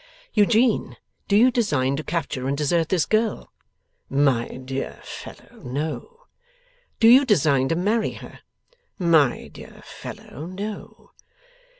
'Eugene, do you design to capture and desert this girl?' 'My dear fellow, no.' 'Do you design to marry her?' 'My dear fellow, no.